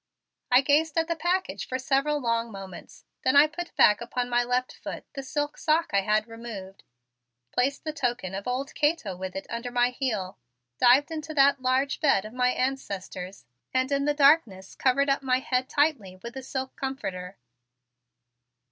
I gazed at the package for several long moments, then I put back upon my left foot the silk sock I had removed, placed the token of old Cato within it under my heel, dived into that large bed of my ancestors and in the darkness covered up my head tightly with the silk comforter.